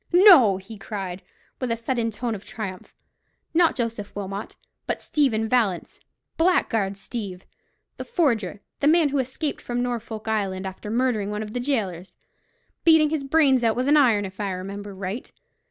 "No," he cried, with a sudden tone of triumph, "not Joseph Wilmot, but Stephen Vallance—Blackguard Steeve, the forger—the man who escaped from Norfolk Island, after murdering one of the gaolers—beating his brains out with an iron, if I remember right.